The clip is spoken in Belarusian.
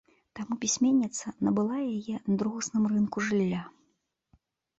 Таму пісьменніца набыла яе на другасным рынку жылля.